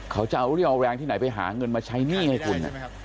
เขาจะเอาเรี่ยวเอาแรงที่ไหนไปหาเงินมาใช้หนี้ให้คุณ